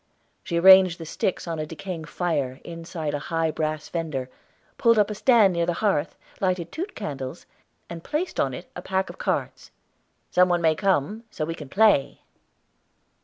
She arranged the sticks on a decaying fire, inside a high brass fender, pulled up a stand near the hearth, lighted two candles, and placed on it a pack of cards. "Some one may come, so that we can play."